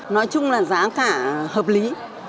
nói chung là giá cả hợp lý